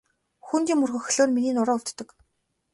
Хүнд юм өргөхлөөр түүний нуруу өвддөг.